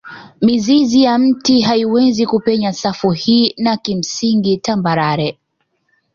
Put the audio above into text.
Mizizi ya mti haiwezi kupenya safu hii na kimsingi tambarare